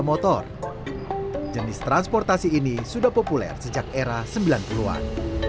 motor jenis transportasi ini sudah populer sejak era sembilan puluh an